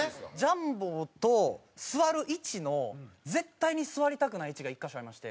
ジャンボと座る位置の絶対に座りたくない位置が１カ所ありまして。